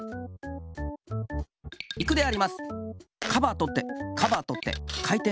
いくであります。